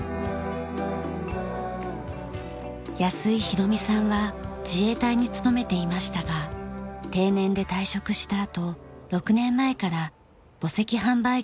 安井博美さんは自衛隊に勤めていましたが定年で退職したあと６年前から墓石販売会社にいます。